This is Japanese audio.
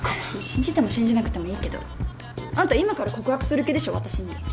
信じても信じなくてもいいけどあんた今から告白する気でしょ私に。